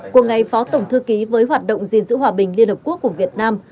của ngày phó tổng thư ký với hoạt động gìn giữ hòa bình liên hợp quốc của việt nam